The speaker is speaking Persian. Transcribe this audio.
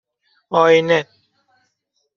آینه